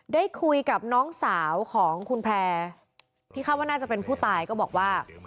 ได้คุยกับน้องสาวของคุณแพร่ที่คาดว่าน่าจะเป็นผู้ตายก็บอกว่า